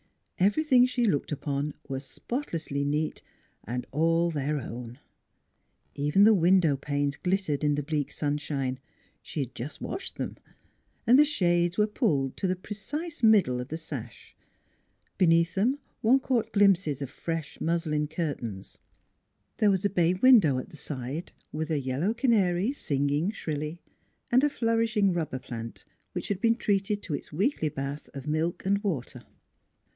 Everything she looked upon was spotlessly neat and all their own. Even the window panes glittered in the bleak sunshine she had just washed them and the shades were pulled to the precise middle of the sash; beneath them one caught glimpses of NEIGHBORS 91 fresh muslin curtains. There was a bay window at the side, with a yellow canary, singing shrilly, and a flourishing rubber plant which had been treated to its weekly bath of milk and water.